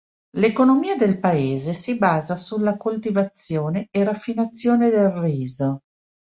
L'economia del paese si basa sulla coltivazione e raffinazione del riso.